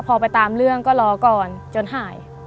พอไปตามเรื่องก็รอก่อนจนหาย